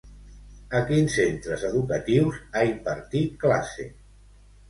A quins centres educatius ha impartit classe?